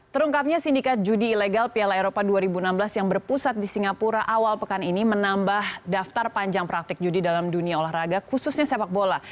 terungkapnya sindikat judi ilegal piala eropa dua ribu enam belas yang berpusat di singapura awal pekan ini menambah daftar panjang praktik judi dalam dunia olahraga khususnya sepak bola